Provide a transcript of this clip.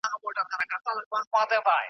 ښه ویلي دي سعدي په ګلستان کي .